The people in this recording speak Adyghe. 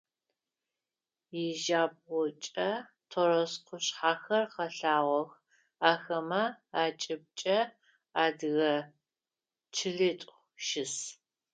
Иджабгъукӏэ Торос къушъхьэхэр къэлъагъох, ахэмэ акӏыбыкӏэ адыгэ чылитӏу щыс.